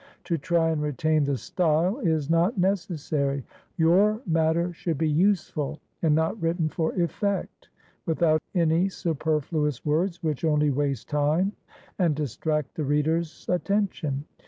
To try and retain the style is not necessary. Your matter should be useful and not written for effect, without any superfluous words which only waste time and distract the reader's attention.